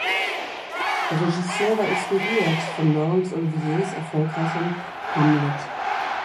Der Regisseur war inspiriert von Laurence Oliviers erfolgreichem "Hamlet".